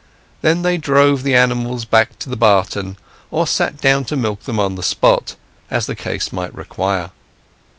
Then they drove the animals back to the barton, or sat down to milk them on the spot, as the case might require.